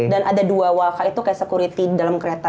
dan ada dua walka itu kayak security di dalam kereta